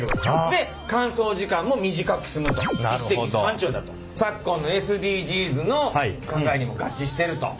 で乾燥時間も短く済むと一石三鳥だと。昨今のＳＤＧｓの考えにも合致してると。